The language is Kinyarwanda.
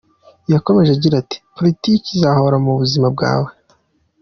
Yakomeje agira ati politiki izahora mu buzima bwawe.